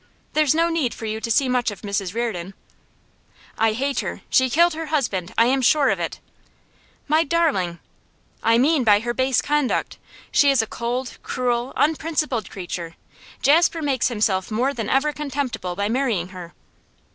There's no need for you to see much of Mrs Reardon ' 'I hate her! She killed her husband; I am sure of it.' 'My darling!' 'I mean by her base conduct. She is a cold, cruel, unprincipled creature! Jasper makes himself more than ever contemptible by marrying her.